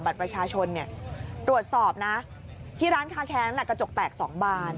บัตรประชาชนเนี้ยตรวจสอบนะที่ร้านคาแคร์นั้นแหละกระจกแตกสองบาน